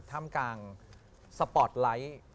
ท่ามกลางสปอร์ตไลท์